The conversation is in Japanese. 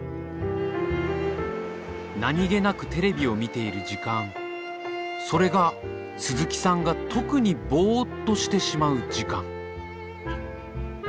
何気なくテレビを見ている時間それが鈴木さんが特にボーッとしてしまう時間。